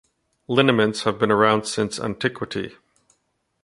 Liniments have been around since antiquity.